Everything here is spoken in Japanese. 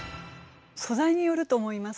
素材によると思います。